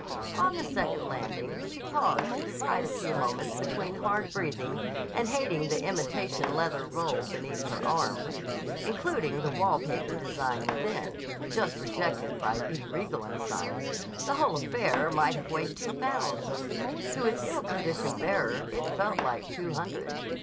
On the second landing she paused to divide a few moments between hard breathing and hating the imitation leather roll beneath her arm. Including the wall paper design within, just rejected by B. Riegel & Sons, the whole affair might have weighed two pounds. To its ill conditioned bearer it felt like two hundred.